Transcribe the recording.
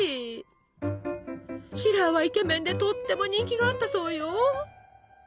シラーはイケメンでとっても人気があったそうよ。